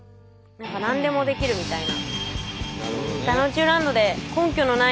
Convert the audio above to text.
何か何でもできるみたいな。